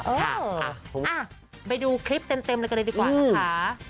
ค่ะคุณพี่สมค่ะไปดูคลิปเต็มเลยกันเลยดีกว่านะคะ